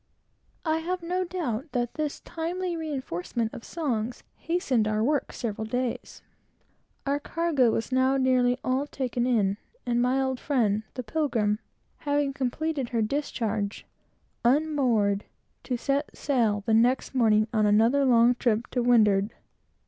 I have no doubt that this timely reinforcement of songs hastened our work several days. Our cargo was now nearly all taken in; and my old friend, the Pilgrim, having completed her discharge, unmoored, to set sail the next morning on another long trip to windward.